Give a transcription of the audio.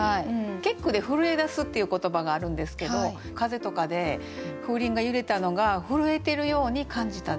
結句で「震え出す」っていう言葉があるんですけど風とかで風鈴が揺れたのが震えてるように感じた。